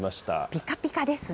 ぴかぴかですね。